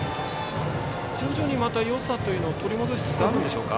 徐々によさを取り戻しつつあるでしょうか。